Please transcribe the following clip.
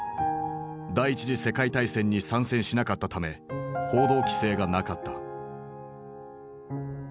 第一次世界大戦に参戦しなかったため報道規制がなかった。